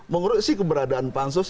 mengoreksi keberadaan pansus